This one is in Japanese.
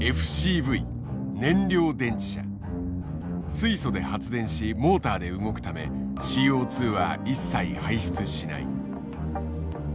水素で発電しモーターで動くためＣＯは一切排出しない。